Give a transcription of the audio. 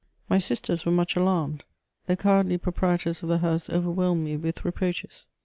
My sisters were much alarmed; the cowardly proprietors of the house overwhelmed me with reproaches.